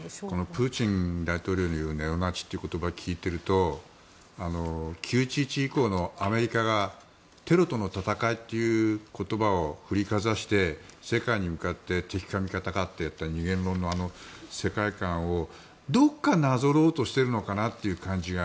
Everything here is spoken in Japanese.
プーチン大統領によるネオナチという言葉を聞いてると９・１１以降のアメリカがテロとの戦いという言葉を振りかざして世界に向かって敵か味方かとやった二元論の世界観を、どこかなぞろうとしてるのかなという感じが。